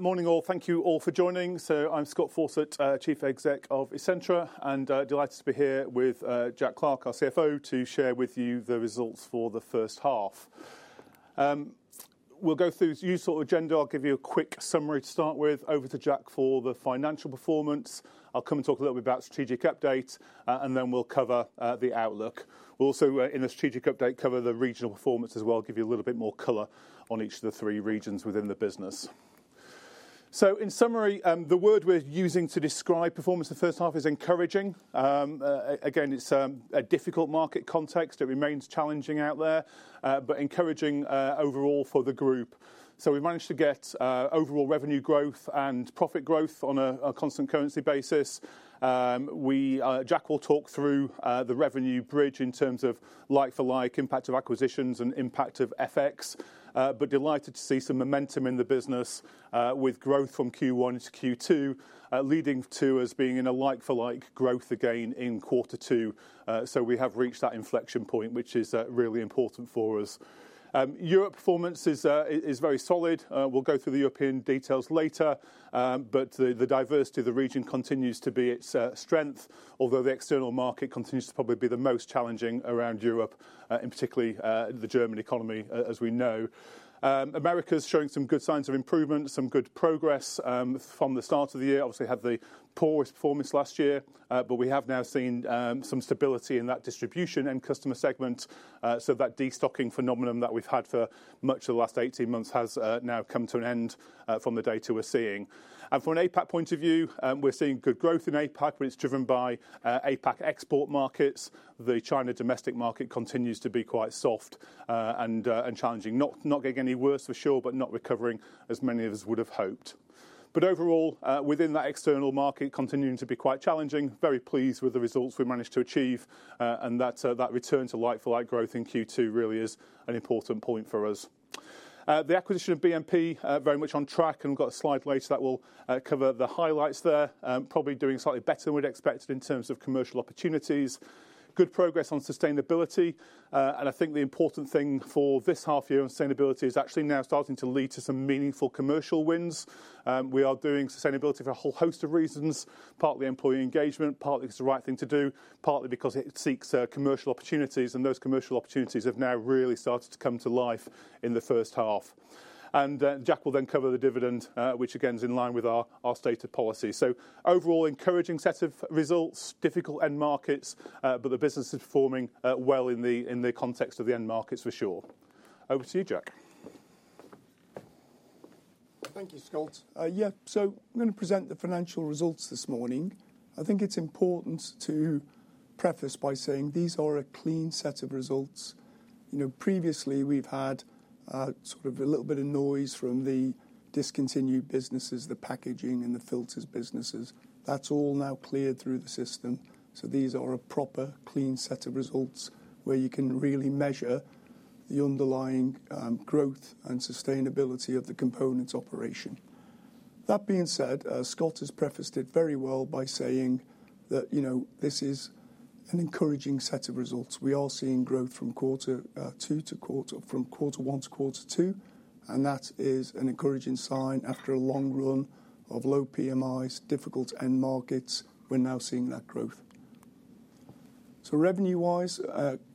Morning all. Thank you all for joining. I'm Scott Fawcett, Chief Exec of Essentra, and delighted to be here with Jack Clarke, our CFO, to share with you the results for the first half. We'll go through the usual agenda. I'll give you a quick summary to start with. Over to Jack for the financial performance. I'll come and talk a little bit about strategic update, and then we'll cover the outlook. We'll also in the strategic update cover the regional performance as well, give you a little bit more color on each of the three regions within the business. So, in summary, the word we're using to describe performance in the first half is encouraging. Again, it's a difficult market context. It remains challenging out there, but encouraging overall for the group. So, we've managed to get overall revenue growth and profit growth on a constant currency basis. We, Jack will talk through the revenue bridge in terms of like-for-like impact of acquisitions and impact of FX, but delighted to see some momentum in the business, with growth from Q1 to Q2, leading to us being in a like-for-like growth again in quarter two. So we have reached that inflection point, which is really important for us. Europe's performance is very solid. We'll go through the European details later. But the diversity of the region continues to be its strength, although the external market continues to probably be the most challenging around Europe, in particular, the German economy, as we know. America's showing some good signs of improvement, some good progress, from the start of the year. Obviously, had the poorest performance last year, but we have now seen some stability in that distribution and customer segment. So that destocking phenomenon that we've had for much of the last 18 months has now come to an end, from the data we're seeing. And from an APAC point of view, we're seeing good growth in APAC, but it's driven by APAC export markets. The China domestic market continues to be quite soft and challenging. Not getting any worse for sure, but not recovering as many of us would have hoped. But overall, within that external market, continuing to be quite challenging. Very pleased with the results we managed to achieve, and that return to like-for-like growth in Q2 really is an important point for us. The acquisition of BMP very much on track, and we've got a slide later that will cover the highlights there. Probably doing slightly better than we'd expected in terms of commercial opportunities. Good progress on sustainability. And I think the important thing for this half year on sustainability is actually now starting to lead to some meaningful commercial wins. We are doing sustainability for a whole host of reasons, partly employee engagement, partly it's the right thing to do, partly because it seeks commercial opportunities, and those commercial opportunities have now really started to come to life in the first half. And, Jack will then cover the dividend, which again is in line with our stated policy. So, overall, encouraging set of results, difficult end markets, but the business is performing well in the context of the end markets for sure. Over to you, Jack. Thank you, Scott. Yeah, so I'm gonna present the financial results this morning. I think it's important to preface by saying these are a clean set of results. You know, previously we've had, sort of a little bit of noise from the discontinued businesses, the packaging, and the filters businesses. That's all now cleared through the system. So these are a proper, clean set of results where you can really measure the underlying, growth and sustainability of the components operation. That being said, Scott has prefaced it very well by saying that, you know, this is an encouraging set of results. We are seeing growth from quarter two to quarter from quarter one to quarter two, and that is an encouraging sign after a long run of low PMIs, difficult end markets. We're now seeing that growth. So revenue-wise,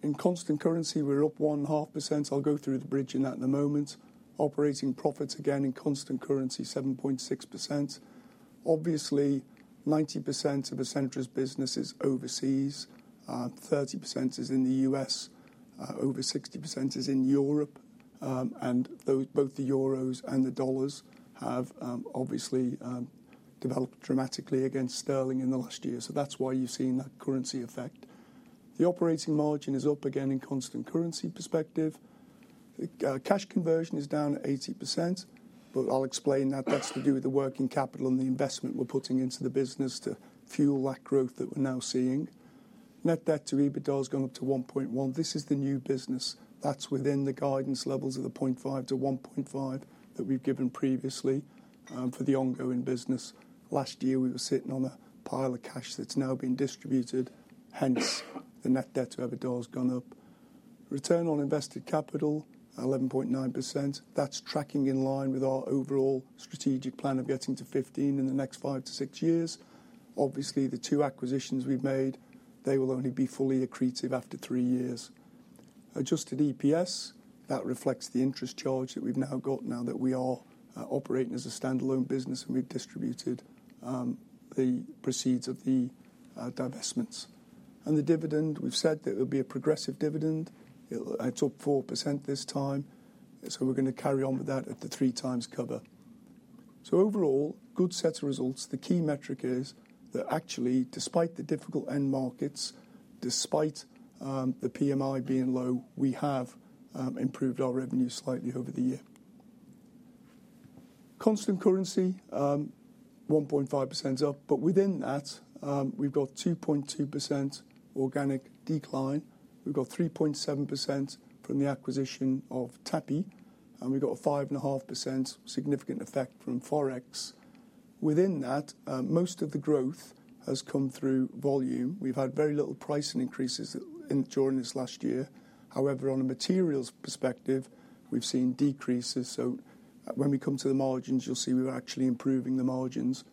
in constant currency, we're up 1.5%. I'll go through the bridge in that in a moment. Operating profits again in constant currency, 7.6%. Obviously, 90% of Essentra's business is overseas. 30% is in the U.S., over 60% is in Europe. And those both the euros and the dollars have, obviously, developed dramatically against sterling in the last year. So that's why you've seen that currency effect. The operating margin is up again in constant currency perspective. Cash conversion is down at 80%, but I'll explain that that's to do with the working capital and the investment we're putting into the business to fuel that growth that we're now seeing. Net debt to EBITDA has gone up to 1.1. This is the new business. That's within the guidance levels of the 0.5-1.5 that we've given previously, for the ongoing business. Last year we were sitting on a pile of cash that's now been distributed, hence the net debt to EBITDA has gone up. Return on invested capital, 11.9%. That's tracking in line with our overall strategic plan of getting to 15 in the next 5-6 years. Obviously, the 2 acquisitions we've made, they will only be fully accretive after 3 years. Adjusted EPS, that reflects the interest charge that we've now got that we are, operating as a standalone business and we've distributed, the proceeds of the, divestments. The dividend, we've said that it'll be a progressive dividend. It'll, it's up 4% this time. We're gonna carry on with that at the 3 times cover. Overall, good set of results. The key metric is that actually, despite the difficult end markets, despite the PMI being low, we have improved our revenue slightly over the year. Constant currency, 1.5% up, but within that, we've got 2.2% organic decline. We've got 3.7% from the acquisition of Tappi, and we've got a 5.5% significant effect from Forex. Within that, most of the growth has come through volume. We've had very little pricing increases in during this last year. However, on a materials perspective, we've seen decreases. So when we come to the margins, you'll see we're actually improving the margins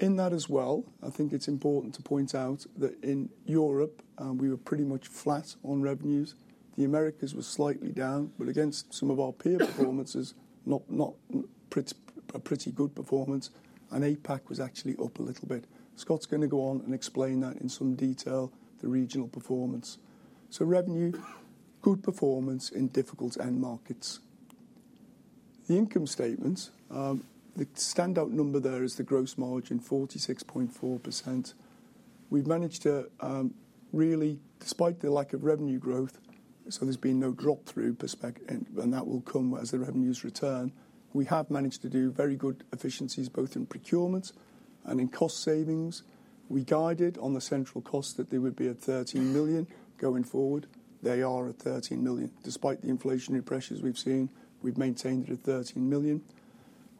in that as well. I think it's important to point out that in Europe, we were pretty much flat on revenues. The Americas were slightly down, but against some of our peer performances, not, not pretty, a pretty good performance. And APAC was actually up a little bit. Scott's gonna go on and explain that in some detail, the regional performance. So revenue, good performance in difficult end markets. The income statement, the standout number there is the gross margin, 46.4%. We've managed to, really, despite the lack of revenue growth, so there's been no drop through perspective, and that will come as the revenues return. We have managed to do very good efficiencies both in procurement and in cost savings. We guided on the central cost that they would be at 13 million going forward. They are at 13 million. Despite the inflationary pressures we've seen, we've maintained it at 13 million.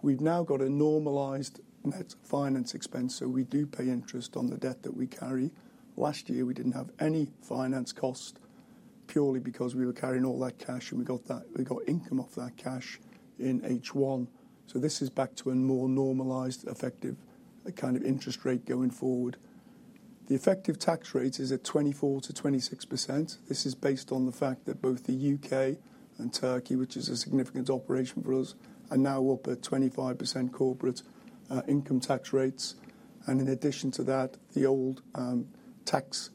We've now got a normalized net finance expense, so we do pay interest on the debt that we carry. Last year we didn't have any finance cost purely because we were carrying all that cash and we got that, we got income off that cash in H1. So this is back to a more normalized effective kind of interest rate going forward. The effective tax rate is at 24%-26%. This is based on the fact that both the UK and Turkey, which is a significant operation for us, are now up at 25% corporate income tax rates. And in addition to that, the old tax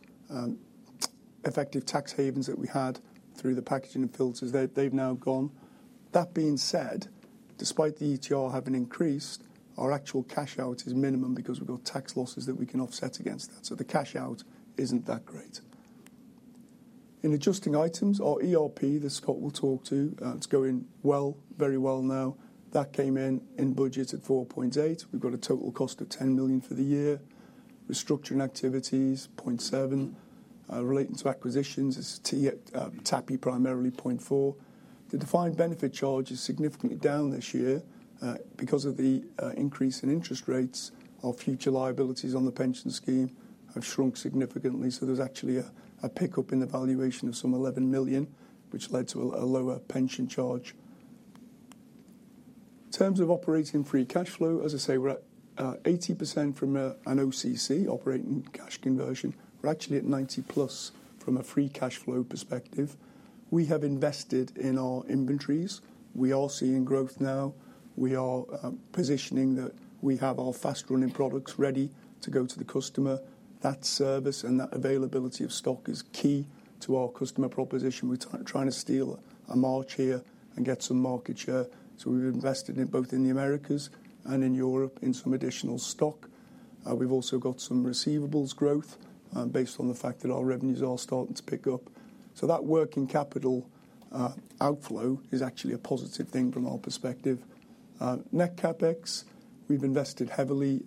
effective tax havens that we had through the packaging and filters, they, they've now gone. That being said, despite the ETR having increased, our actual cash out is minimum because we've got tax losses that we can offset against that. So the cash out isn't that great. In adjusting items, our ERP that Scott will talk to, it's going well, very well now. That came in, in budget at 4.8. We've got a total cost of 10 million for the year. Restructuring activities, 0.7. Relating to acquisitions, it's a T, Tappi primarily, 0.4. The defined benefit charge is significantly down this year, because of the, increase in interest rates. Our future liabilities on the pension scheme have shrunk significantly. So there's actually a, a pickup in the valuation of some 11 million, which led to a, a lower pension charge. In terms of operating free cash flow, as I say, we're at, 80% from a, an OCC, operating cash conversion. We're actually at 90+% from a free cash flow perspective. We have invested in our inventories. We are seeing growth now. We are, positioning that we have our fast-running products ready to go to the customer. That service and that availability of stock is key to our customer proposition. We're trying to steal a march here and get some market share. So we've invested in both in the Americas and in Europe in some additional stock. We've also got some receivables growth, based on the fact that our revenues are starting to pick up. So that working capital outflow is actually a positive thing from our perspective. Net capex, we've invested heavily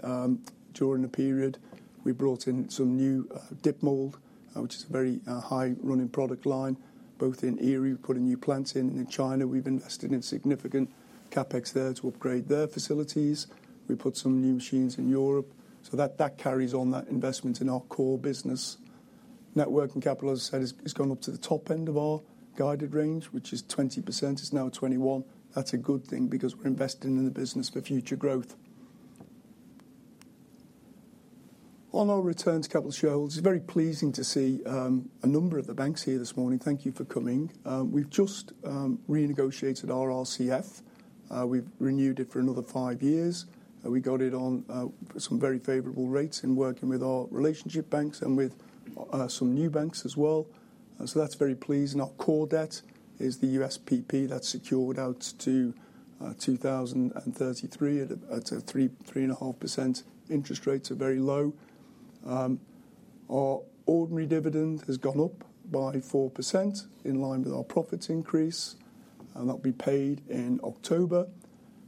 during a period. We brought in some new dip mold, which is a very high-running product line, both in Erie. We've put a new plant in, and in China, we've invested in significant capex there to upgrade their facilities. We put some new machines in Europe. So that, that carries on that investment in our core business. Working capital, as I said, is going up to the top end of our guided range, which is 20%. It's now 21%. That's a good thing because we're investing in the business for future growth. On our return to capital shareholders, it's very pleasing to see a number of the banks here this morning. Thank you for coming. We've just renegotiated our RCF. We've renewed it for another 5 years. We got it on some very favorable rates in working with our relationship banks and with some new banks as well. So that's very pleasing. Our core debt is the USPP that's secured out to 2033 at a 3%-3.5% interest rate. That's very low. Our ordinary dividend has gone up by 4% in line with our profits increase, and that'll be paid in October.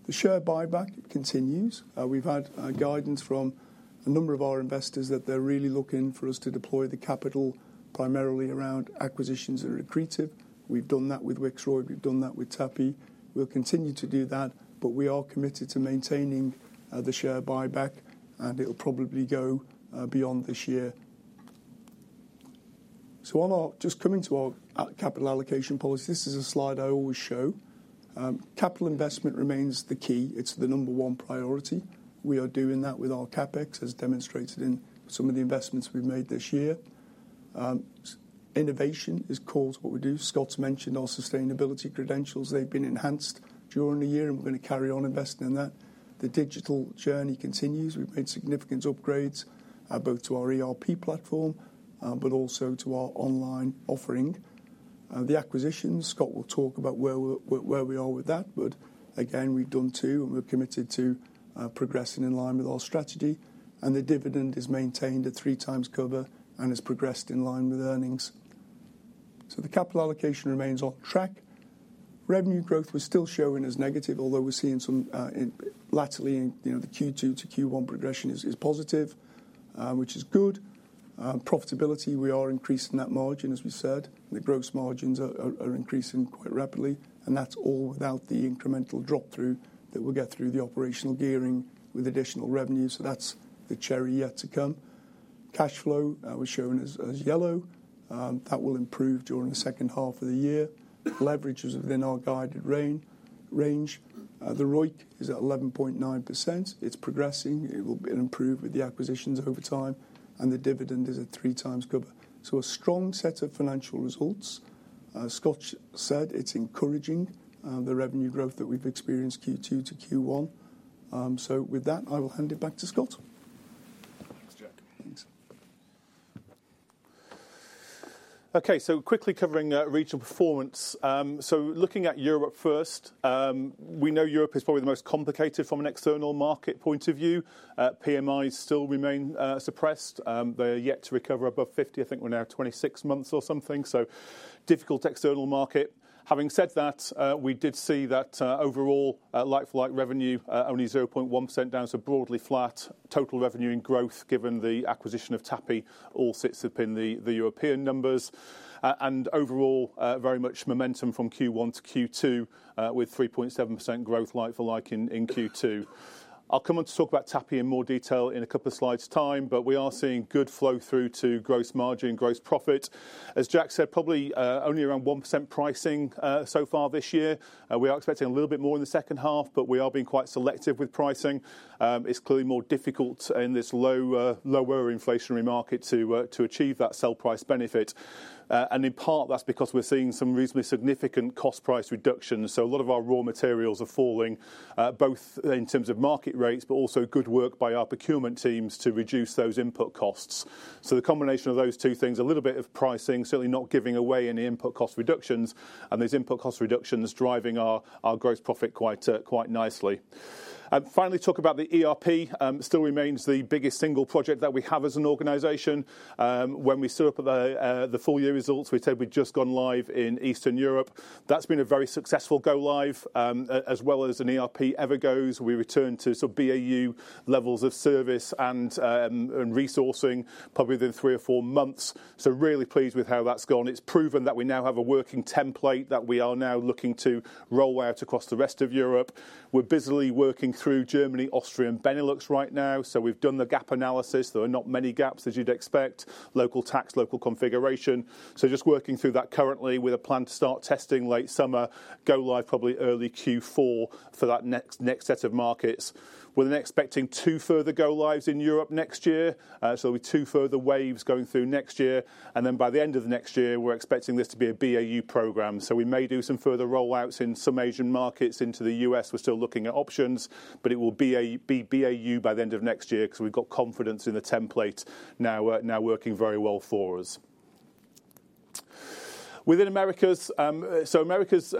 The share buyback continues. We've had guidance from a number of our investors that they're really looking for us to deploy the capital primarily around acquisitions and accretive. We've done that with Wixroyd. We've done that with Tappi. We'll continue to do that, but we are committed to maintaining the share buyback, and it'll probably go beyond this year. So, just coming to our capital allocation policy, this is a slide I always show. Capital investment remains the key. It's the number one priority. We are doing that with our Capex as demonstrated in some of the investments we've made this year. Innovation is core to what we do. Scott's mentioned our sustainability credentials. They've been enhanced during the year, and we're gonna carry on investing in that. The digital journey continues. We've made significant upgrades, both to our ERP platform, but also to our online offering. The acquisitions, Scott will talk about where we're, where we are with that, but again, we've done two and we're committed to progressing in line with our strategy. The dividend is maintained at three times cover and has progressed in line with earnings. So the capital allocation remains on track. Revenue growth was still showing as negative, although we're seeing some in laterally, you know, the Q2 to Q1 progression is positive, which is good. Profitability, we are increasing that margin, as we said. The gross margins are increasing quite rapidly, and that's all without the incremental drop through that we'll get through the operational gearing with additional revenue. So that's the cherry yet to come. Cash flow was shown as yellow. That will improve during the second half of the year. Leverage is within our guided range. The ROIC is at 11.9%. It's progressing. It will be improved with the acquisitions over time, and the dividend is at three times cover. So a strong set of financial results. Scott said it's encouraging, the revenue growth that we've experienced Q2 to Q1. So with that, I will hand it back to Scott. Thanks, Jack. Thanks. Okay, so quickly covering regional performance. So looking at Europe first, we know Europe is probably the most complicated from an external market point of view. PMIs still remain suppressed. They are yet to recover above 50. I think we're now 26 months or something. So difficult external market. Having said that, we did see that overall, like-for-like revenue only 0.1% down. So broadly flat total revenue and growth given the acquisition of Tappi, all sits up in the European numbers. And overall, very much momentum from Q1 to Q2, with 3.7% growth like-for-like in Q2. I'll come on to talk about Tappi in more detail in a couple of slides' time, but we are seeing good flow through to gross margin and gross profit. As Jack said, probably only around 1% pricing so far this year. We are expecting a little bit more in the second half, but we are being quite selective with pricing. It's clearly more difficult in this low, lower inflationary market to, to achieve that sell price benefit. In part, that's because we're seeing some reasonably significant cost price reductions. So a lot of our raw materials are falling, both in terms of market rates, but also good work by our procurement teams to reduce those input costs. So the combination of those two things, a little bit of pricing, certainly not giving away any input cost reductions, and those input cost reductions driving our, our gross profit quite, quite nicely. And finally, talk about the ERP. It still remains the biggest single project that we have as an organization. When we set up at the, the full year results, we said we'd just gone live in Eastern Europe. That's been a very successful go-live, as well as an ERP ever goes. We returned to sort of BAU levels of service and resourcing probably within three or four months. So really pleased with how that's gone. It's proven that we now have a working template that we are now looking to roll out across the rest of Europe. We're busily working through Germany, Austria, and Benelux right now. So we've done the gap analysis. There are not many gaps as you'd expect. Local tax, local configuration. So just working through that currently with a plan to start testing late summer, go-live probably early Q4 for that next set of markets. We're then expecting two further go-lives in Europe next year. So there'll be two further waves going through next year. And then by the end of the next year, we're expecting this to be a BAU program. So we may do some further rollouts in some Asian markets into the US. We're still looking at options, but it will be BAU by the end of next year because we've got confidence in the template now working very well for us. Within Americas, so Americas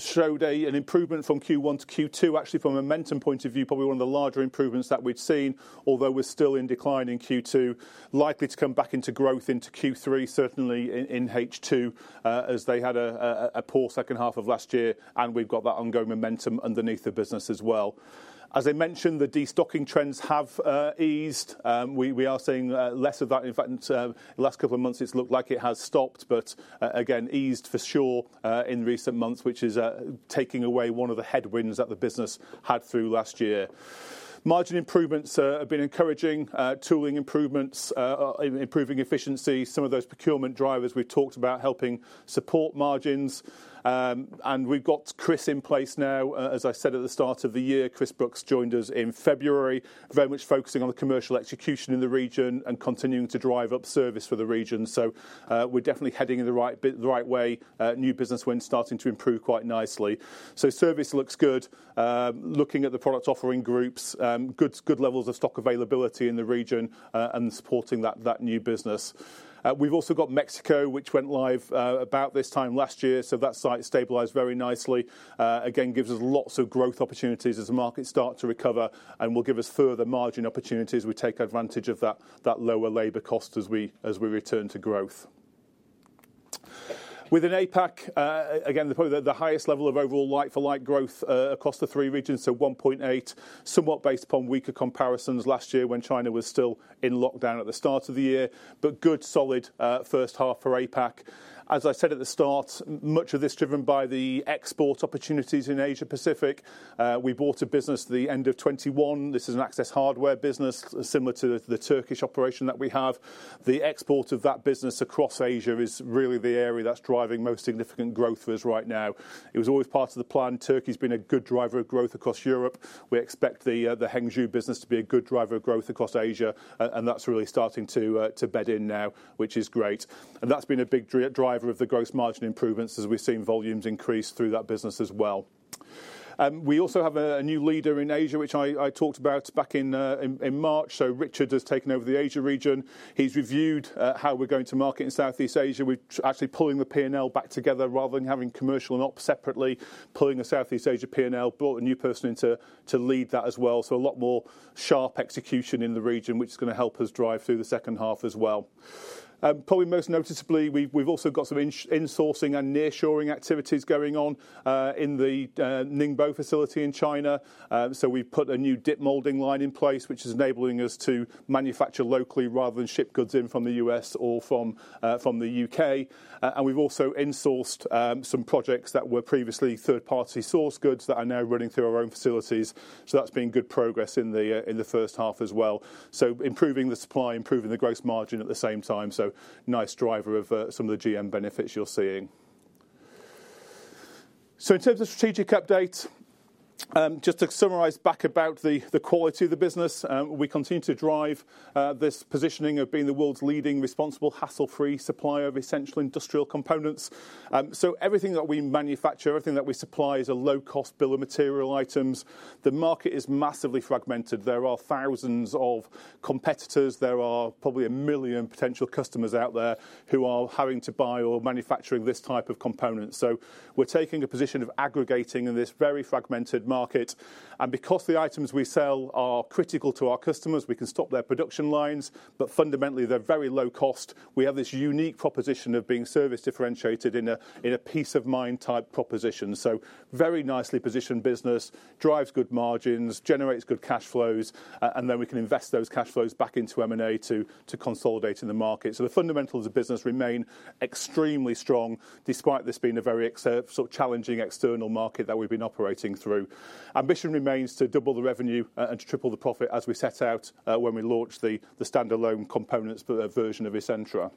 showed an improvement from Q1 to Q2. Actually, from a momentum point of view, probably one of the larger improvements that we'd seen, although we're still in decline in Q2, likely to come back into growth into Q3, certainly in H2, as they had a poor second half of last year. And we've got that ongoing momentum underneath the business as well. As I mentioned, the destocking trends have eased. We are seeing less of that. In fact, the last couple of months, it's looked like it has stopped, but, again, eased for sure, in recent months, which is, taking away one of the headwinds that the business had through last year. Margin improvements have been encouraging, tooling improvements improving efficiency. Some of those procurement drivers we've talked about helping support margins. We've got Chris in place now, as I said at the start of the year. Chris Brooks joined us in February, very much focusing on the commercial execution in the region and continuing to drive up service for the region. So, we're definitely heading in the right direction, the right way. New business wins starting to improve quite nicely. So service looks good. Looking at the product offering groups, good, good levels of stock availability in the region, and supporting that, that new business. We've also got Mexico, which went live about this time last year. So that site stabilized very nicely. Again, gives us lots of growth opportunities as the market starts to recover and will give us further margin opportunities. We take advantage of that lower labor cost as we return to growth. Within APAC, again, probably the highest level of overall like-for-like growth across the three regions, so 1.8, somewhat based upon weaker comparisons last year when China was still in lockdown at the start of the year, but good, solid first half for APAC. As I said at the start, much of this driven by the export opportunities in Asia Pacific. We bought a business at the end of 2021. This is an access hardware business, similar to the Turkish operation that we have. The export of that business across Asia is really the area that's driving most significant growth for us right now. It was always part of the plan. Turkey's been a good driver of growth across Europe. We expect the Hangzhou business to be a good driver of growth across Asia, and that's really starting to bed in now, which is great. And that's been a big driver of the gross margin improvements as we've seen volumes increase through that business as well. We also have a new leader in Asia, which I talked about back in March. So Richard has taken over the Asia region. He's reviewed how we're going to market in Southeast Asia. We're actually pulling the P&L back together rather than having commercial and ops separately. Pulling a Southeast Asia P&L, brought a new person in to lead that as well. So a lot more sharp execution in the region, which is gonna help us drive through the second half as well. Probably most noticeably, we've also got some insourcing and nearshoring activities going on in the Ningbo facility in China. So we've put a new dip molding line in place, which is enabling us to manufacture locally rather than ship goods in from the U.S. or from the U.K. And we've also insourced some projects that were previously third-party source goods that are now running through our own facilities. So that's been good progress in the first half as well. So improving the supply, improving the gross margin at the same time. So nice driver of some of the GM benefits you're seeing. So in terms of strategic updates, just to summarize back about the quality of the business, we continue to drive this positioning of being the world's leading responsible hassle-free supplier of essential industrial components. So everything that we manufacture, everything that we supply is a low-cost bill of material items. The market is massively fragmented. There are thousands of competitors. There are probably a million potential customers out there who are having to buy or manufacturing this type of component. So we're taking a position of aggregating in this very fragmented market. And because the items we sell are critical to our customers, we can stop their production lines, but fundamentally they're very low cost. We have this unique proposition of being service differentiated in a peace of mind type proposition. So very nicely positioned business drives good margins, generates good cash flows, and then we can invest those cash flows back into M&A to consolidate in the market. So the fundamentals of business remain extremely strong despite this being a very sort of challenging external market that we've been operating through. Ambition remains to double the revenue and to triple the profit as we set out, when we launched the standalone components version of Essentra.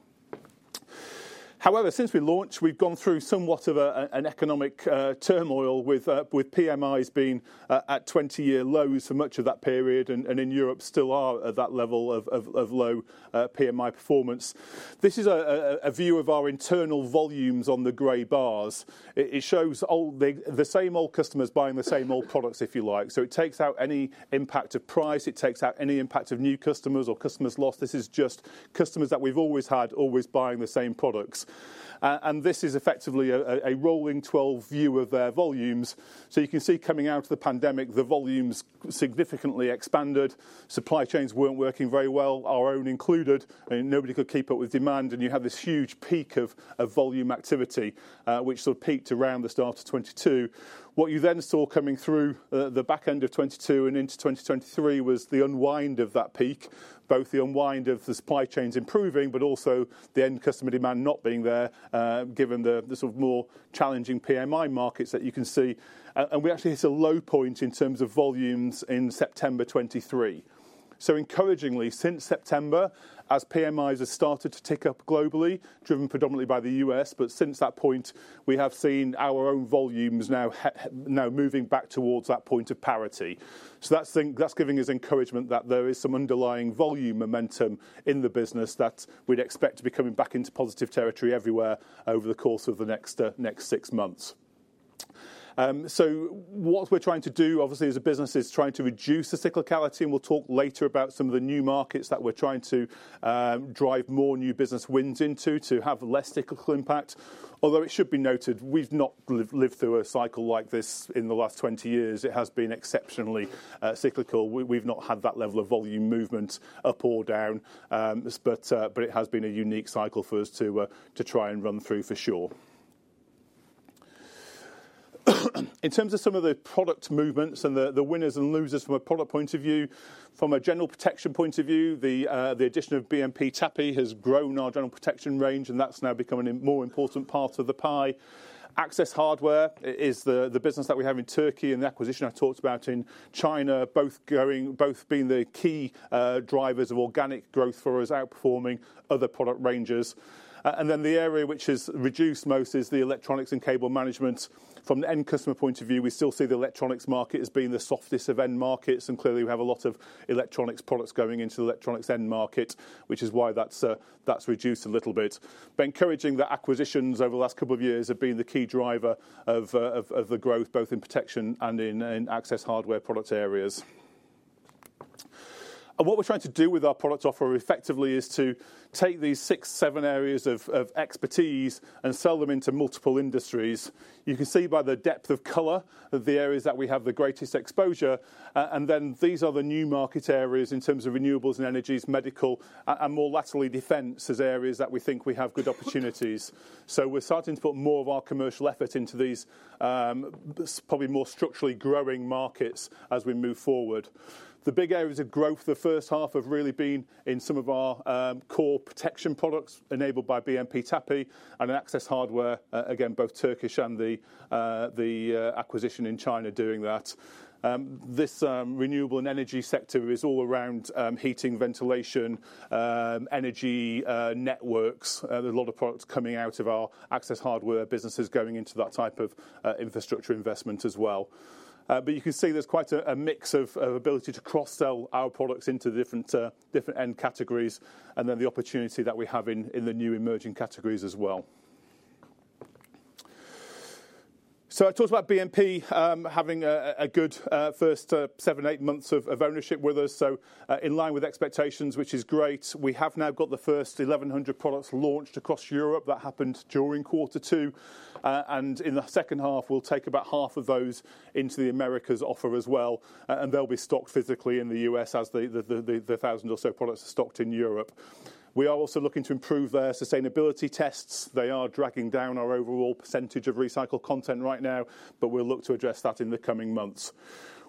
However, since we launched, we've gone through somewhat of an economic turmoil with PMIs being at 20-year lows for much of that period, and in Europe still are at that level of low PMI performance. This is a view of our internal volumes on the gray bars. It shows all the same old customers buying the same old products, if you like. So it takes out any impact of price. It takes out any impact of new customers or customers lost. This is just customers that we've always had, always buying the same products. And this is effectively a rolling 12 view of their volumes. So you can see coming out of the pandemic, the volumes significantly expanded. Supply chains weren't working very well, our own included. I mean, nobody could keep up with demand, and you had this huge peak of volume activity, which sort of peaked around the start of 2022. What you then saw coming through the back end of 2022 and into 2023 was the unwind of that peak, both the unwind of the supply chains improving, but also the end customer demand not being there, given the sort of more challenging PMI markets that you can see. We actually hit a low point in terms of volumes in September 2023. So encouragingly, since September, as PMIs have started to tick up globally, driven predominantly by the U.S., but since that point, we have seen our own volumes now, now moving back towards that point of parity. So that's, I think that's giving us encouragement that there is some underlying volume momentum in the business that we'd expect to be coming back into positive territory everywhere over the course of the next, next six months. So what we're trying to do, obviously, as a business, is trying to reduce the cyclicality, and we'll talk later about some of the new markets that we're trying to drive more new business wins into to have less cyclical impact. Although it should be noted, we've not lived through a cycle like this in the last 20 years. It has been exceptionally cyclical. We've not had that level of volume movement up or down, but, but it has been a unique cycle for us to, to try and run through for sure. In terms of some of the product movements and the, the winners and losers from a product point of view, from a general protection point of view, the, the addition of BMP Tappi has grown our general protection range, and that's now becoming a more important part of the pie. Access hardware is the, the business that we have in Turkey and the acquisition I talked about in China, both going, both being the key, drivers of organic growth for us, outperforming other product ranges. And then the area which has reduced most is the electronics and cable management. From the end customer point of view, we still see the electronics market as being the softest of end markets, and clearly we have a lot of electronics products going into the electronics end market, which is why that's reduced a little bit. But encouraging that acquisitions over the last couple of years have been the key driver of the growth, both in protection and in access hardware product areas. And what we're trying to do with our product offer effectively is to take these six, seven areas of expertise and sell them into multiple industries. You can see by the depth of color of the areas that we have the greatest exposure. And then these are the new market areas in terms of renewables and energies, medical, and more latterly defense as areas that we think we have good opportunities. So we're starting to put more of our commercial effort into these, probably more structurally growing markets as we move forward. The big areas of growth in the first half have really been in some of our core protection products enabled by BMP Tappi and access hardware, again both Turkish and the acquisition in China doing that. This renewable and energy sector is all around heating, ventilation, energy, networks. There's a lot of products coming out of our access hardware businesses going into that type of infrastructure investment as well. But you can see there's quite a mix of ability to cross-sell our products into the different end categories and then the opportunity that we have in the new emerging categories as well. So I talked about BMP Tappi having a good first 7-8 months of ownership with us. So, in line with expectations, which is great, we have now got the first 1,100 products launched across Europe. That happened during quarter two. In the second half, we'll take about half of those into the Americas offer as well. They'll be stocked physically in the US as the 1,000 or so products are stocked in Europe. We are also looking to improve their sustainability tests. They are dragging down our overall percentage of recycled content right now, but we'll look to address that in the coming months.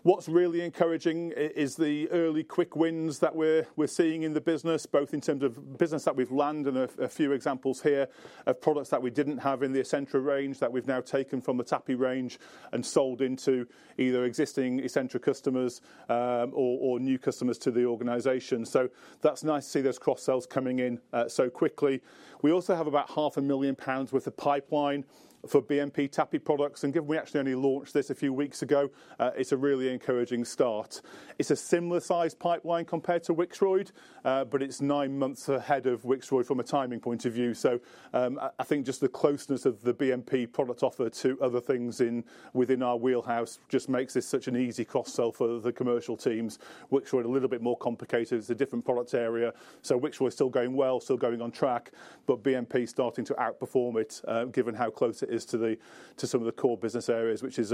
What's really encouraging is the early quick wins that we're seeing in the business, both in terms of business that we've landed, a few examples here of products that we didn't have in the Essentra range that we've now taken from the Tappi range and sold into either existing Essentra customers, or new customers to the organization. So that's nice to see those cross-sells coming in so quickly. We also have about 500,000 pounds worth of pipeline for BMP Tappi products. And given we actually only launched this a few weeks ago, it's a really encouraging start. It's a similar size pipeline compared to Wixroyd, but it's nine months ahead of Wixroyd from a timing point of view. So, I think just the closeness of the BMP product offer to other things in, within our wheelhouse just makes this such an easy cross-sell for the commercial teams. Wixroyd a little bit more complicated. It's a different product area. So Wixroyd's still going well, still going on track, but BMP's starting to outperform it, given how close it is to some of the core business areas, which is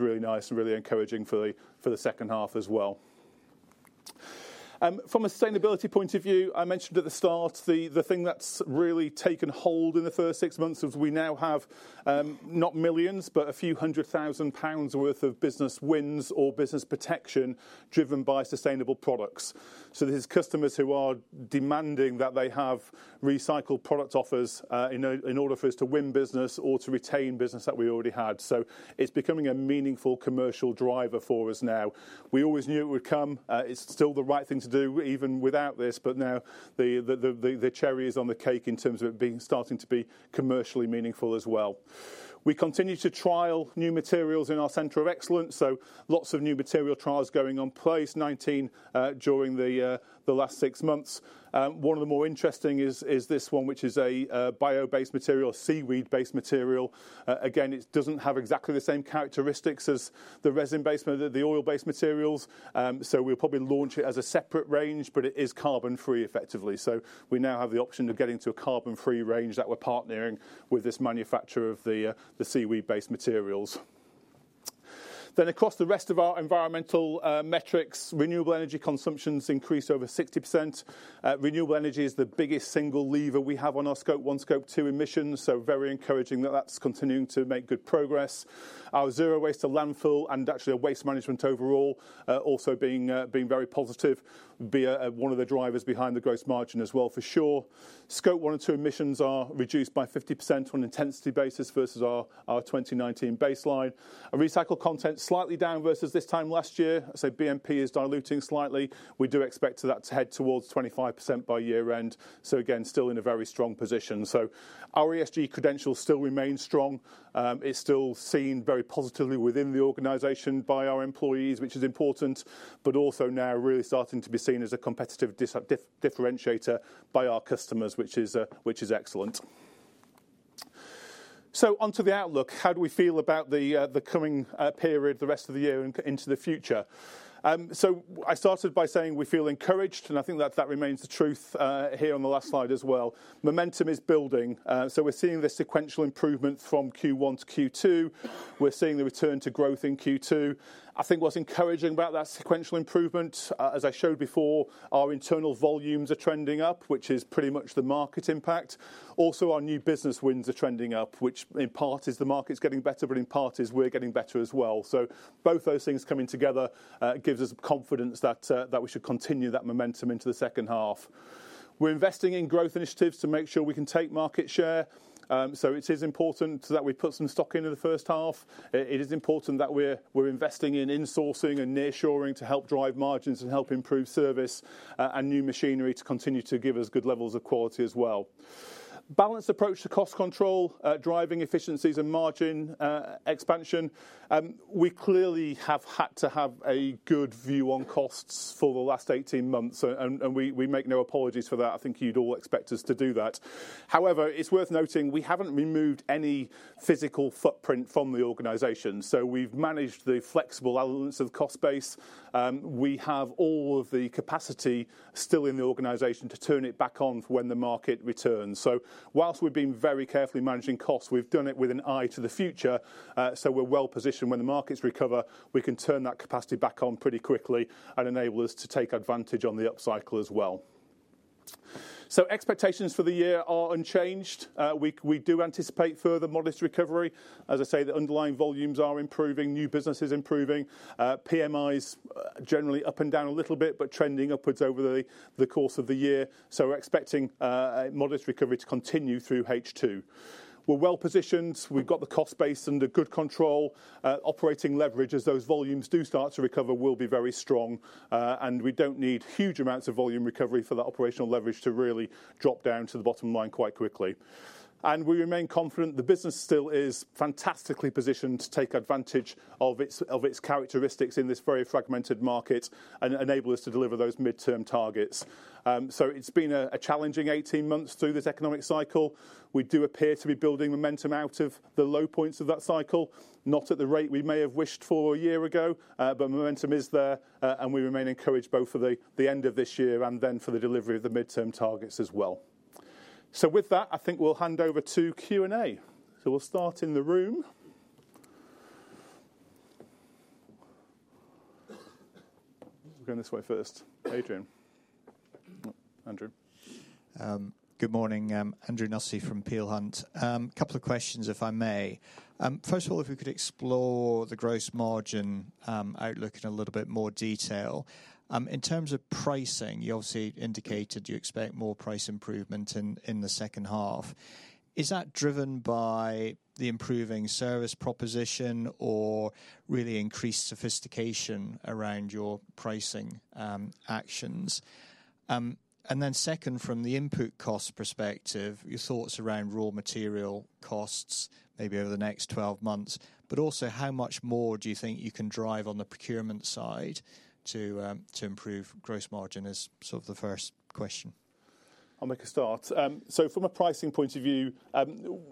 really nice and really encouraging for the second half as well. From a sustainability point of view, I mentioned at the start the thing that's really taken hold in the first six months is we now have, not millions, but a few 100,000 pounds worth of business wins or business protection driven by sustainable products. So this is customers who are demanding that they have recycled product offers, in order for us to win business or to retain business that we already had. So it's becoming a meaningful commercial driver for us now. We always knew it would come. It's still the right thing to do even without this, but now the cherry is on the cake in terms of it being starting to be commercially meaningful as well. We continue to trial new materials in our center of excellence. So lots of new material trials going on apace in 2019, during the last six months. One of the more interesting is this one, which is a bio-based material, seaweed-based material. Again, it doesn't have exactly the same characteristics as the resin-based material, the oil-based materials. So we'll probably launch it as a separate range, but it is carbon-free effectively. So we now have the option of getting to a carbon-free range that we're partnering with this manufacturer of the seaweed-based materials. Then across the rest of our environmental metrics, renewable energy consumption's increased over 60%. Renewable energy is the biggest single lever we have on our Scope 1 and 2 emissions. So very encouraging that that's continuing to make good progress. Our zero waste to landfill and actually a waste management overall also being very positive, being one of the drivers behind the gross margin as well for sure. Scope 1 and 2 emissions are reduced by 50% on intensity basis versus our 2019 baseline. Recycled content slightly down versus this time last year. So BMP is diluting slightly. We do expect that to head towards 25% by year-end. So again, still in a very strong position. So our ESG credential still remains strong. It's still seen very positively within the organization by our employees, which is important, but also now really starting to be seen as a competitive differentiator by our customers, which is excellent. So onto the outlook, how do we feel about the coming period, the rest of the year and into the future? So I started by saying we feel encouraged, and I think that remains the truth, here on the last slide as well. Momentum is building. So we're seeing the sequential improvement from Q1 to Q2. We're seeing the return to growth in Q2. I think what's encouraging about that sequential improvement, as I showed before, our internal volumes are trending up, which is pretty much the market impact. Also, our new business wins are trending up, which in part is the market's getting better, but in part is we're getting better as well. So both those things coming together gives us confidence that we should continue that momentum into the second half. We're investing in growth initiatives to make sure we can take market share. So it is important that we put some stock into the first half. It is important that we're investing in insourcing and nearshoring to help drive margins and help improve service, and new machinery to continue to give us good levels of quality as well. Balanced approach to cost control, driving efficiencies and margin expansion. We clearly have had to have a good view on costs for the last 18 months, and we make no apologies for that. I think you'd all expect us to do that. However, it's worth noting we haven't removed any physical footprint from the organization. So we've managed the flexible elements of cost base. We have all of the capacity still in the organization to turn it back on when the market returns. So while we've been very carefully managing costs, we've done it with an eye to the future. So we're well positioned when the markets recover, we can turn that capacity back on pretty quickly and enable us to take advantage on the upcycle as well. So expectations for the year are unchanged. We do anticipate further modest recovery. As I say, the underlying volumes are improving, new business is improving. PMIs generally up and down a little bit, but trending upwards over the course of the year. So we're expecting modest recovery to continue through H2. We're well positioned. We've got the cost base under good control. Operating leverage, as those volumes do start to recover, will be very strong. And we don't need huge amounts of volume recovery for that operational leverage to really drop down to the bottom line quite quickly. And we remain confident the business still is fantastically positioned to take advantage of its, of its characteristics in this very fragmented market and enable us to deliver those midterm targets. So it's been a, a challenging 18 months through this economic cycle. We do appear to be building momentum out of the low points of that cycle, not at the rate we may have wished for a year ago, but momentum is there, and we remain encouraged both for the, the end of this year and then for the delivery of the midterm targets as well. So with that, I think we'll hand over to Q&A. So we'll start in the room. We're going this way first. Adrian. Andrew. Good morning. Andrew Nussey from Peel Hunt. A couple of questions, if I may. First of all, if we could explore the gross margin outlook in a little bit more detail. In terms of pricing, you obviously indicated you expect more price improvement in, in the second half. Is that driven by the improving service proposition or really increased sophistication around your pricing actions? And then second, from the input cost perspective, your thoughts around raw material costs maybe over the next 12 months, but also how much more do you think you can drive on the procurement side to, to improve gross margin is sort of the first question. I'll make a start. So from a pricing point of view,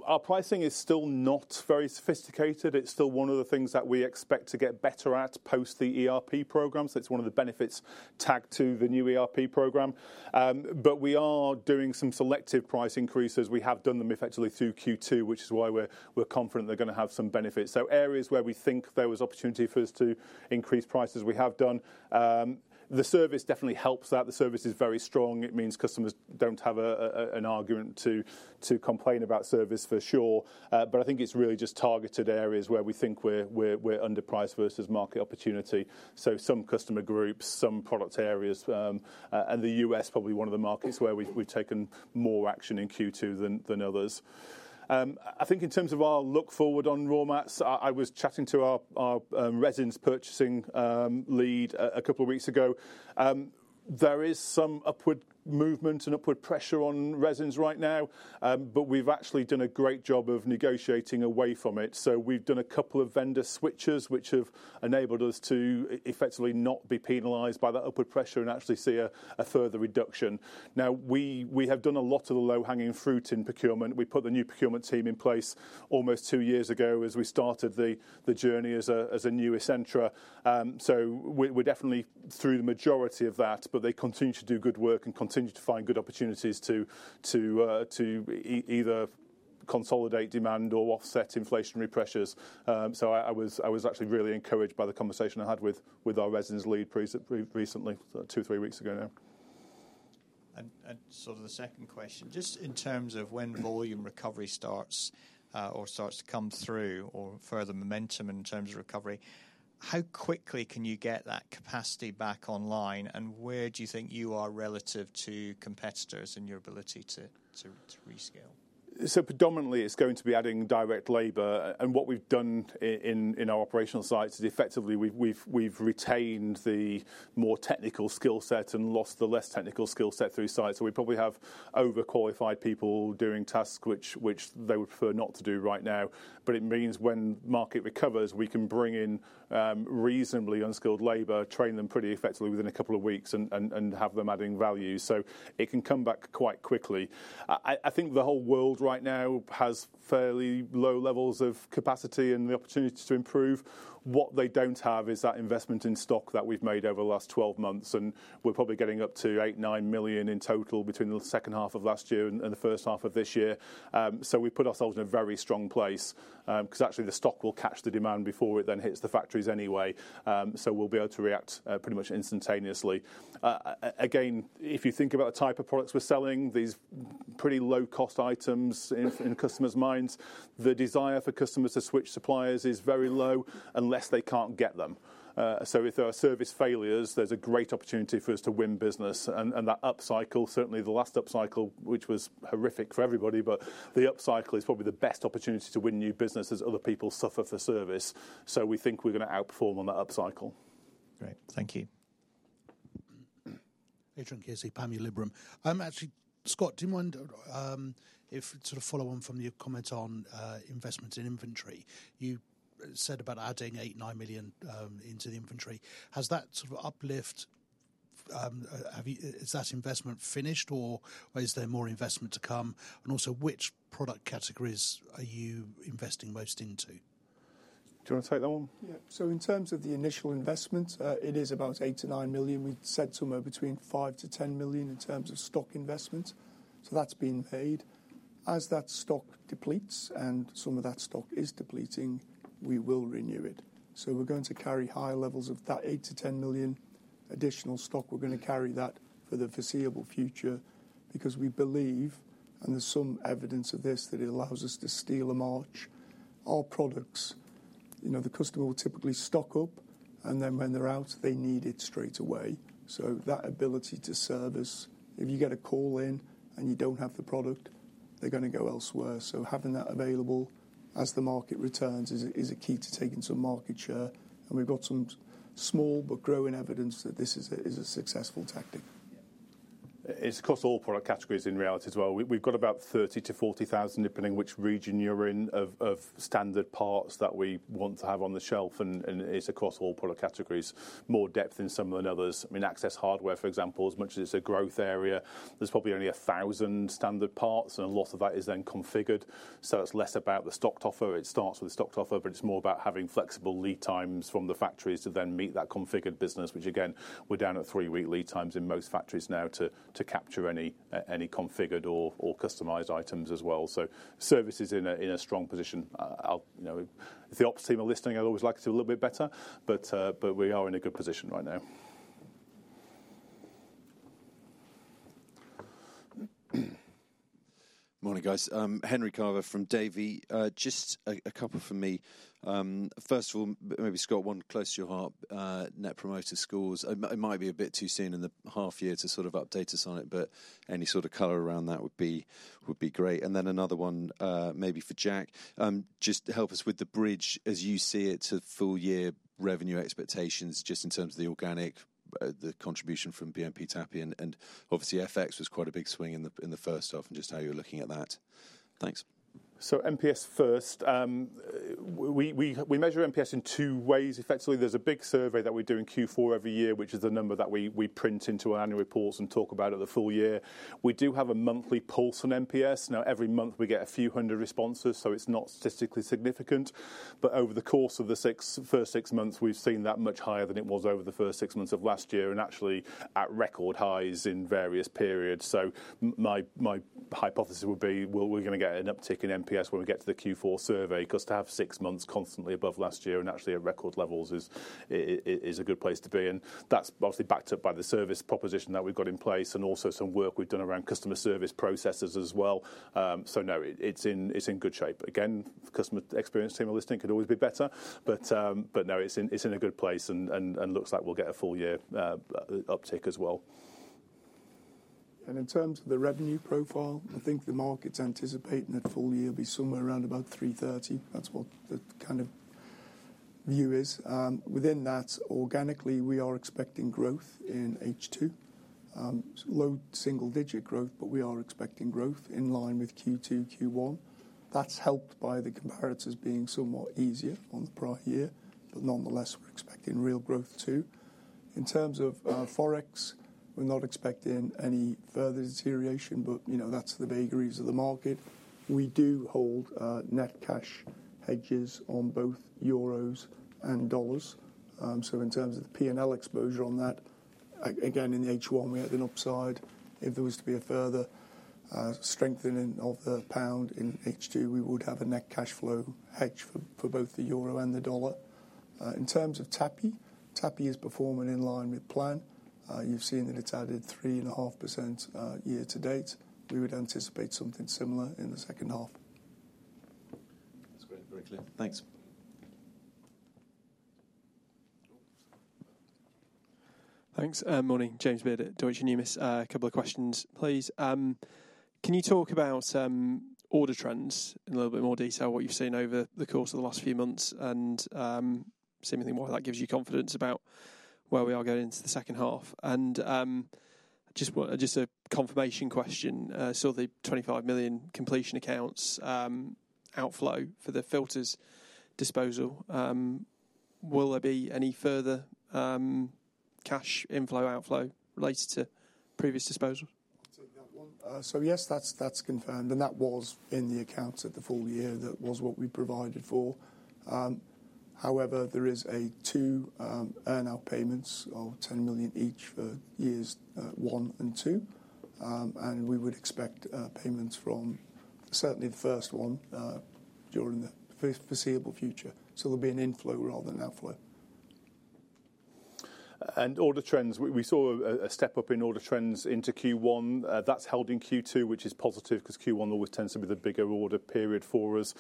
our pricing is still not very sophisticated. It's still one of the things that we expect to get better at post the ERP program. So it's one of the benefits tagged to the new ERP program. But we are doing some selective price increases. We have done them effectively through Q2, which is why we're confident they're going to have some benefits. So areas where we think there was opportunity for us to increase prices, we have done. The service definitely helps that. The service is very strong. It means customers don't have an argument to complain about service for sure. But I think it's really just targeted areas where we think we're underpriced versus market opportunity. So some customer groups, some product areas, and the US probably one of the markets where we've taken more action in Q2 than others. I think in terms of our look forward on raw mats, I was chatting to our resins purchasing lead a couple of weeks ago. There is some upward movement and upward pressure on resins right now, but we've actually done a great job of negotiating away from it. So we've done a couple of vendor switches, which have enabled us to effectively not be penalized by that upward pressure and actually see a, a further reduction. Now, we, we have done a lot of the low-hanging fruit in procurement. We put the new procurement team in place almost two years ago as we started the, the journey as a, as a new Essentra. So we, we definitely through the majority of that, but they continue to do good work and continue to find good opportunities to, to, to either consolidate demand or offset inflationary pressures. So I, I was, I was actually really encouraged by the conversation I had with, with our resins lead recently, recently, two or three weeks ago now. And sort of the second question, just in terms of when volume recovery starts, or starts to come through or further momentum in terms of recovery, how quickly can you get that capacity back online and where do you think you are relative to competitors and your ability to rescale? So predominantly it's going to be adding direct labor. And what we've done in our operational sites is effectively we've retained the more technical skill set and lost the less technical skill set through sites. So we probably have overqualified people doing tasks which they would prefer not to do right now. But it means when the market recovers, we can bring in reasonably unskilled labor, train them pretty effectively within a couple of weeks and have them adding value. So it can come back quite quickly. I, I think the whole world right now has fairly low levels of capacity and the opportunity to improve. What they don't have is that investment in stock that we've made over the last 12 months, and we're probably getting up to 8-9 million in total between the second half of last year and the first half of this year. We've put ourselves in a very strong place, because actually the stock will catch the demand before it then hits the factories anyway. We'll be able to react, pretty much instantaneously. Again, if you think about the type of products we're selling, these pretty low cost items in, in customers' minds, the desire for customers to switch suppliers is very low unless they can't get them. If there are service failures, there's a great opportunity for us to win business. And that upcycle, certainly the last upcycle, which was horrific for everybody, but the upcycle is probably the best opportunity to win new business as other people suffer for service. So we think we're going to outperform on that upcycle. Great. Thank you. Adrian Kearsey, Panmure Liberum. Actually, Scott, do you mind if sort of follow on from your comments on investments in inventory? You said about adding 8-9 million into the inventory. Has that sort of uplift, have you, is that investment finished or is there more investment to come? And also which product categories are you investing most into? Do you want to take that one? Yeah. So in terms of the initial investment, it is about 8-9 million. We'd said somewhere between 5-10 million in terms of stock investment. So that's being paid. As that stock depletes and some of that stock is depleting, we will renew it. So we're going to carry high levels of that 8 million-10 million additional stock. We're going to carry that for the foreseeable future because we believe, and there's some evidence of this, that it allows us to steal a march. Our products, you know, the customer will typically stock up, and then when they're out, they need it straight away. So that ability to serve us, if you get a call in and you don't have the product, they're going to go elsewhere. So having that available as the market returns is a key to taking some market share. And we've got some small but growing evidence that this is a, is a successful tactic. It's across all product categories in reality as well. We've got about 30-40,000, depending on which region you're in, of standard parts that we want to have on the shelf. And it's across all product categories. More depth in some than others. I mean, access hardware, for example, as much as it's a growth area, there's probably only 1,000 standard parts, and a lot of that is then configured. So it's less about the stocked offer. It starts with the stocked offer, but it's more about having flexible lead times from the factories to then meet that configured business, which again, we're down at three-week lead times in most factories now to capture any configured or customized items as well. So service is in a strong position. I'll, you know, if the ops team are listening, I'd always like it a little bit better, but, but we are in a good position right now. Morning, guys. Henry Carver from Davy. Just a couple for me. First of all, maybe Scott, one close to your heart, Net Promoter Scores. It might be a bit too soon in the half year to sort of update us on it, but any sort of color around that would be, would be great. And then another one, maybe for Jack, just help us with the bridge as you see it to full year revenue expectations, just in terms of the organic, the contribution from BMP Tappi. And, and obviously FX was quite a big swing in the, in the first half and just how you're looking at that. Thanks. So NPS first, we, we, we measure NPS in two ways. Effectively, there's a big survey that we do in Q4 every year, which is the number that we print into our annual reports and talk about at the full year. We do have a monthly pulse on NPS. Now, every month we get a few hundred responses, so it's not statistically significant, but over the course of the first six months, we've seen that much higher than it was over the first six months of last year and actually at record highs in various periods. So my hypothesis would be we're going to get an uptick in NPS when we get to the Q4 survey because to have six months constantly above last year and actually at record levels is a good place to be. And that's obviously backed up by the service proposition that we've got in place and also some work we've done around customer service processes as well. So, no, it's in good shape. Again, customer experience team are listening. Could always be better, but, but no, it's in a good place and looks like we'll get a full year uptick as well. And in terms of the revenue profile, I think the market's anticipating that full year will be somewhere around about 330. That's what the kind of view is. Within that, organically, we are expecting growth in H2. Low single digit growth, but we are expecting growth in line with Q2, Q1. That's helped by the comparisons being somewhat easier on the prior year, but nonetheless, we're expecting real growth too. In terms of Forex, we're not expecting any further deterioration, but you know, that's the vagaries of the market. We do hold net cash hedges on both euros and dollars. So in terms of the P&L exposure on that, again, in the H1, we had an upside. If there was to be a further strengthening of the pound in H2, we would have a net cash flow hedge for both the euro and the dollar. In terms of Tappi, Tappi is performing in line with plan. You've seen that it's added 3.5%, year to date. We would anticipate something similar in the second half. That's great. Very clear. Thanks. Thanks. Morning, James Beard at Deutsche Numis. A couple of questions, please. Can you talk about order trends in a little bit more detail, what you've seen over the course of the last few months and see anything, why that gives you confidence about where we are going into the second half? And just a confirmation question. So the 25 million completion accounts outflow for the filters disposal, will there be any further cash inflow, outflow related to previous disposal? So that one, so yes, that's confirmed. And that was in the accounts at the full year. That was what we provided for. However, there are two earn-out payments of 10 million each for years one and two. And we would expect payments from certainly the first one during the foreseeable future. So there'll be an inflow rather than outflow. And order trends, we saw a step up in order trends into Q1. That's held in Q2, which is positive because Q1 always tends to be the bigger order period for us.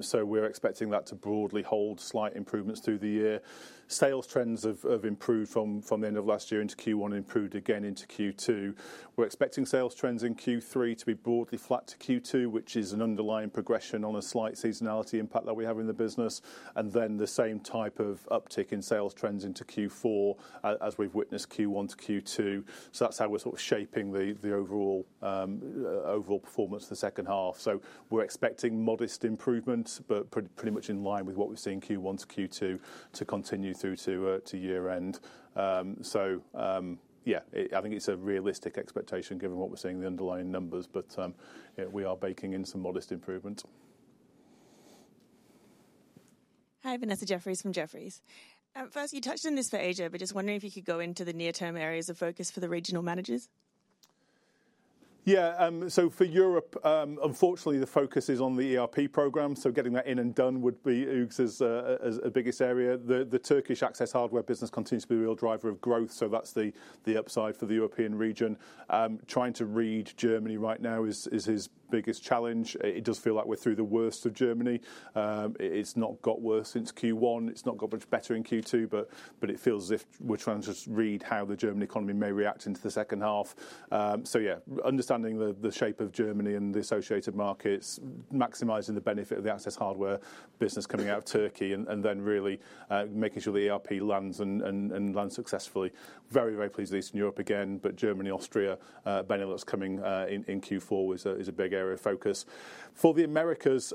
So we're expecting that to broadly hold slight improvements through the year. Sales trends have improved from the end of last year into Q1 and improved again into Q2. We're expecting sales trends in Q3 to be broadly flat to Q2, which is an underlying progression on a slight seasonality impact that we have in the business. And then the same type of uptick in sales trends into Q4 as we've witnessed Q1 to Q2. So that's how we're sort of shaping the overall performance of the second half. So we're expecting modest improvements, but pretty much in line with what we've seen Q1 to Q2 to continue through to year end. So, yeah, I think it's a realistic expectation given what we're seeing in the underlying numbers, but, yeah, we are baking in some modest improvements. Hi, Vanessa Jeffriess from Jefferies. First, you touched on this for Asia, but just wondering if you could go into the near-term areas of focus for the regional managers. Yeah, so for Europe, unfortunately the focus is on the ERP program. So getting that in and done would be our biggest area. The Turkish access hardware business continues to be a real driver of growth. So that's the upside for the European region. Trying to read Germany right now is his biggest challenge. It does feel like we're through the worst of Germany. It's not got worse since Q1. It's not got much better in Q2, but it feels as if we're trying to just read how the German economy may react into the second half. So yeah, understanding the shape of Germany and the associated markets, maximizing the benefit of the access hardware business coming out of Turkey and then really making sure the ERP lands and lands successfully. Very pleased with Eastern Europe again, but Germany, Austria, Benelux coming in Q4 is a big area of focus. For the Americas,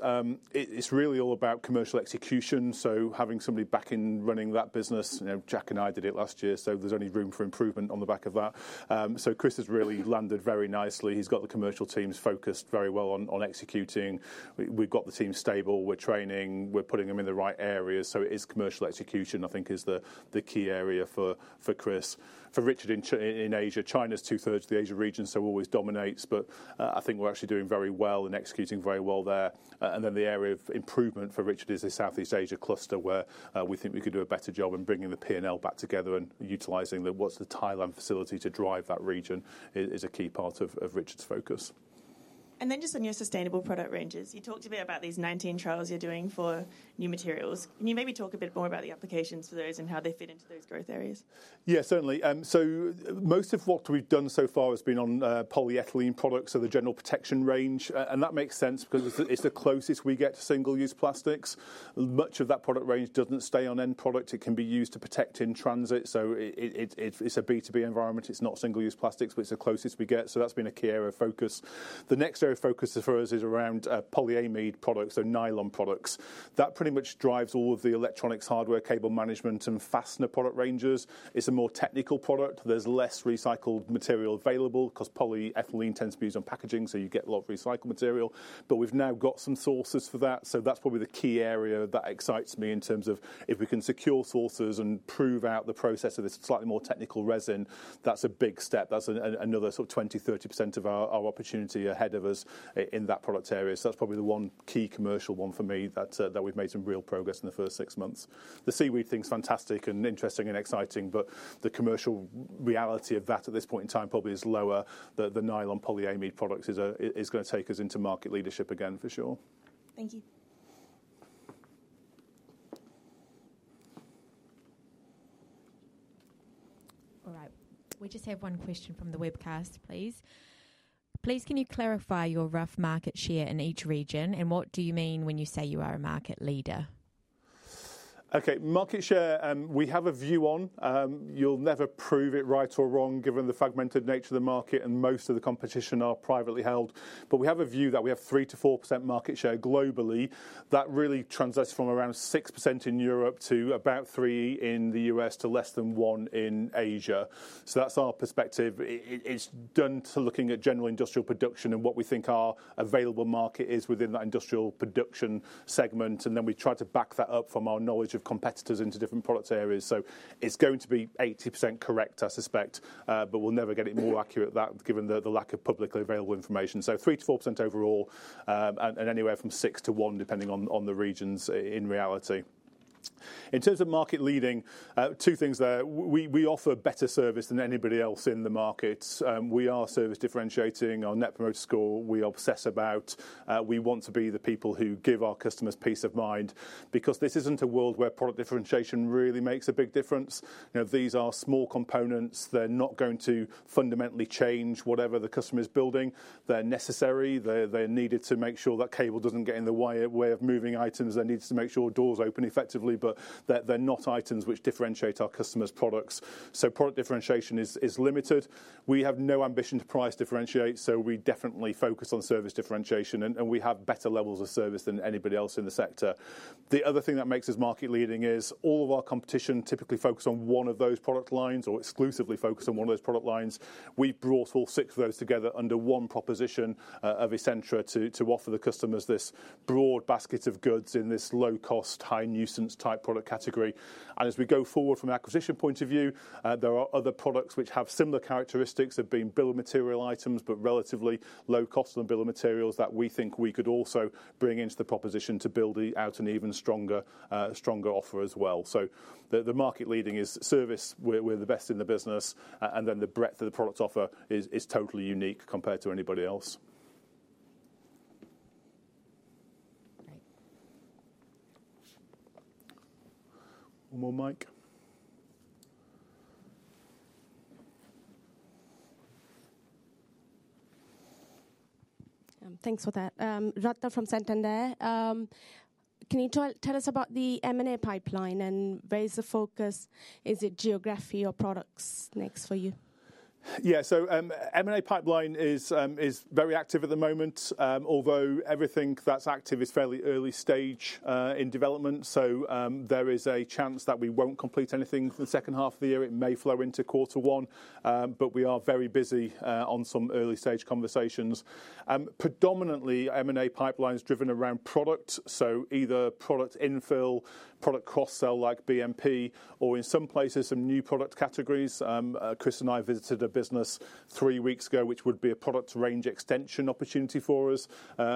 it's really all about commercial execution. So having somebody back in running that business, you know, Jack and I did it last year. So there's only room for improvement on the back of that. So Chris has really landed very nicely. He's got the commercial teams focused very well on executing. We've got the team stable. We're training. We're putting them in the right areas. So it is commercial execution, I think, is the key area for Chris. For Richard in Asia, China's two-thirds of the Asia region, so always dominates. But, I think we're actually doing very well and executing very well there. And then the area of improvement for Richard is the Southeast Asia cluster where we think we could do a better job in bringing the P&L back together and utilizing the Thailand facility to drive that region is a key part of Richard's focus. And then just on your sustainable product ranges, you talked a bit about these 19 trials you're doing for new materials. Can you maybe talk a bit more about the applications for those and how they fit into those growth areas? Yeah, certainly. Most of what we've done so far has been on polyethylene products or the general protection range. That makes sense because it's the closest we get to single-use plastics. Much of that product range doesn't stay on end product. It can be used to protect in transit. So it's a B2B environment. It's not single-use plastics, but it's the closest we get. So that's been a key area of focus. The next area of focus for us is around polyamide products, so nylon products. That pretty much drives all of the electronics hardware cable management and fastener product ranges. It's a more technical product. There's less recycled material available because polyethylene tends to be used on packaging, so you get a lot of recycled material. But we've now got some sources for that. So that's probably the key area that excites me in terms of if we can secure sources and prove out the process of this slightly more technical resin, that's a big step. That's another sort of 20%-30% of our opportunity ahead of us in that product area. So that's probably the one key commercial one for me that we've made some real progress in the first six months. The seaweed thing's fantastic and interesting and exciting, but the commercial reality of that at this point in time probably is lower. The nylon polyamide products is going to take us into market leadership again for sure. Thank you. All right. We just have one question from the webcast, please. Please, can you clarify your rough market share in each region and what do you mean when you say you are a market leader? Okay, market share, we have a view on. You'll never prove it right or wrong given the fragmented nature of the market and most of the competition are privately held, but we have a view that we have 3%-4% market share globally that really translates from around 6% in Europe to about 3% in the US to less than 1% in Asia. So that's our perspective. It's down to looking at general industrial production and what we think our available market is within that industrial production segment. And then we try to back that up from our knowledge of competitors into different product areas. So it's going to be 80% correct, I suspect, but we'll never get it more accurate than that given the lack of publicly available information. So 3%-4% overall, and anywhere from 6% to 1% depending on the regions in reality. In terms of market leading, two things there. We offer better service than anybody else in the markets. We are service differentiating on Net Promoter Score. We obsess about, we want to be the people who give our customers peace of mind because this isn't a world where product differentiation really makes a big difference. You know, these are small components. They're not going to fundamentally change whatever the customer is building. They're necessary. They're needed to make sure that cable doesn't get in the way of moving items. They need to make sure doors open effectively, but that they're not items which differentiate our customers' products. So product differentiation is limited. We have no ambition to price differentiate, so we definitely focus on service differentiation and we have better levels of service than anybody else in the sector. The other thing that makes us market leading is all of our competition typically focused on one of those product lines or exclusively focused on one of those product lines. We've brought all six of those together under one proposition of Essentra to offer the customers this broad basket of goods in this low-cost, high-nuisance type product category. And as we go forward from an acquisition point of view, there are other products which have similar characteristics of being bill of material items, but relatively low-cost than bill of materials that we think we could also bring into the proposition to build out an even stronger offer as well. So the market leading is service. We're the best in the business. The breadth of the product offer is totally unique compared to anybody else. One more mic. Thanks for that. Rajan from Santander. Can you tell us about the M&A pipeline and where is the focus? Is it geography or products next for you? Yeah, so, M&A pipeline is very active at the moment. Although everything that's active is fairly early stage in development. So, there is a chance that we won't complete anything for the second half of the year. It may flow into quarter one. But we are very busy on some early stage conversations. Predominantly M&A pipeline is driven around product. So either product infill, product cross-sell like BMP, or in some places some new product categories. Chris and I visited a business three weeks ago, which would be a product range extension opportunity for us.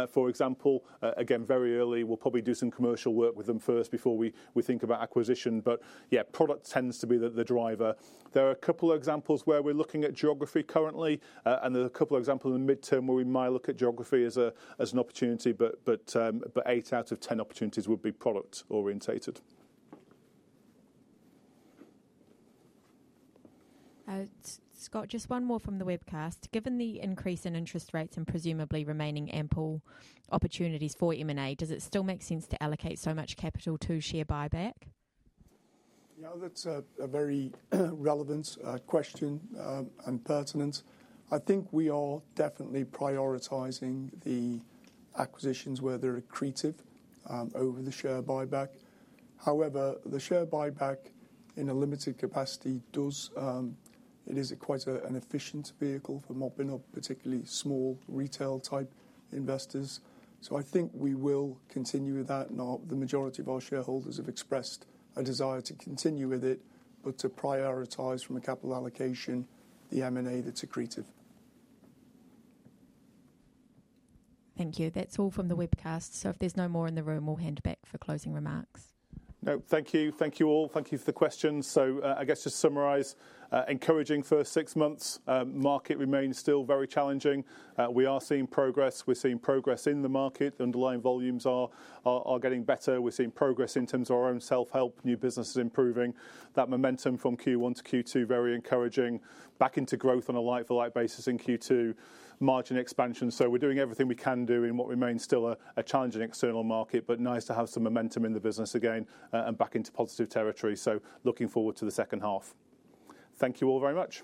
For example, again, very early, we'll probably do some commercial work with them first before we think about acquisition. But yeah, product tends to be the driver. There are a couple of examples where we're looking at geography currently, and there's a couple of examples in the midterm where we might look at geography as an opportunity, but 8 out of 10 opportunities would be product orientated. Scott, just one more from the webcast. Given the increase in interest rates and presumably remaining ample opportunities for M&A, does it still make sense to allocate so much capital to share buyback? Yeah, that's a very relevant question, and pertinent. I think we are definitely prioritizing the acquisitions where they're accretive, over the share buyback. However, the share buyback in a limited capacity does; it is quite an efficient vehicle for mopping up particularly small retail type investors. So I think we will continue with that. Now, the majority of our shareholders have expressed a desire to continue with it, but to prioritize from a capital allocation the M&A that's accretive. Thank you. That's all from the webcast. So if there's no more in the room, we'll hand back for closing remarks. No, thank you. Thank you all. Thank you for the questions. So, I guess to summarize, encouraging first six months. Market remains still very challenging. We are seeing progress. We're seeing progress in the market. The underlying volumes are getting better. We're seeing progress in terms of our own self-help. New business is improving. That momentum from Q1 to Q2, very encouraging. Back into growth on a like-for-like basis in Q2. Margin expansion. So we're doing everything we can do in what remains still a challenging external market, but nice to have some momentum in the business again, and back into positive territory. So looking forward to the second half. Thank you all very much.